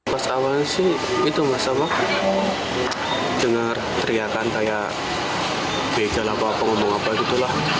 mas awan sih itu gak sama dengar teriakan kayak bejel apa ngomong apa gitu lah